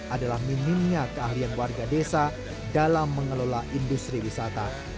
adalah minimnya keahlian warga desa dalam mengelola industri wisata